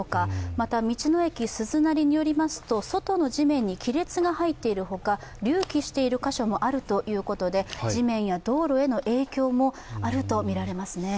また道の駅すずなりによりますと外の地面に亀裂が見えるほか隆起している箇所もあるということで、地面や道路への影響もあるとみられますね。